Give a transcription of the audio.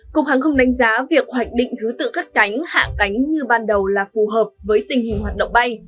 cục hàng không đánh giá việc hoạch định thứ tự cất cánh hạ cánh như ban đầu là phù hợp với tình hình hoạt động bay